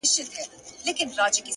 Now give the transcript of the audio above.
هره هڅه د راتلونکي شکل جوړوي!